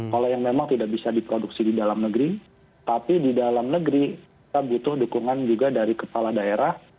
kalau yang memang tidak bisa diproduksi di dalam negeri tapi di dalam negeri kita butuh dukungan juga dari kepala daerah